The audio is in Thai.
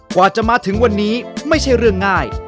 กว่าจะมาถึงวันนี้ไม่ใช่เรื่องง่าย